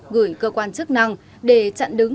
gửi cơ quan chức năng để chặn đứng